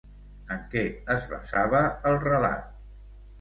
En què es basava el relat?